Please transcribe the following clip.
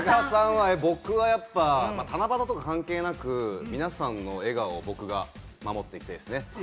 僕はやっぱ七夕とか関係なく、皆さんの笑顔を僕が守っていきたいですね。